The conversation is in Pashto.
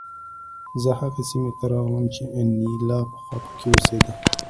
زه هغې سیمې ته راغلم چې انیلا پخوا پکې اوسېده